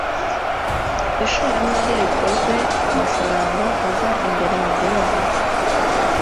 ishoramari rikozwe ku mafaranga ava imbere mu gihugu